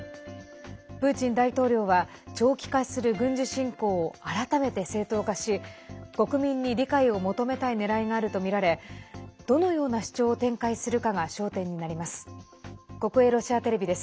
プーチン大統領は長期化する軍事侵攻を改めて正当化し国民に理解を求めたいねらいがあるとみられどのような主張を展開するかが焦点になります。